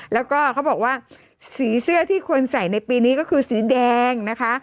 แล้วก็เขาบอกว่าสีเสื้อที่คนใส่ในปีนี้ก็คือสีแดงนะคะ